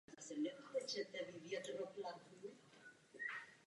Tato již začala vycházet jednou měsíčně a vycházela po dobu několika let.